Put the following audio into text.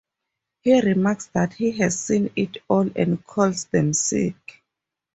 He remarks that he has seen it all and calls them "sick".